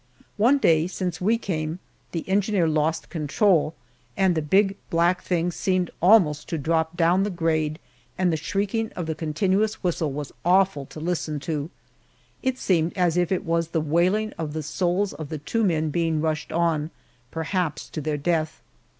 One day, since we came, the engineer lost control, and the big black thing seemed almost to drop down the grade, and the shrieking of the continuous whistle was awful to listen to; it seemed as if it was the wailing of the souls of the two men being rushed on perhaps to their death.